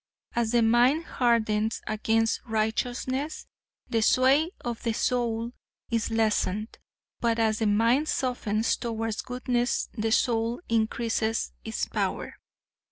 As the mind hardens against righteousness the sway of the soul is lessened, but as the mind softens towards goodness the soul increases its power.